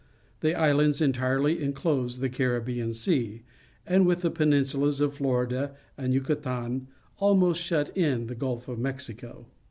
The islands entirely inclose the Caribbean Sea, and with the peninsulas of Florida and Yucatan almost shut in the Gulf of Mexico.